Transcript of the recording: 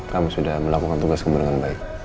kami sudah melakukan tugas kamu dengan baik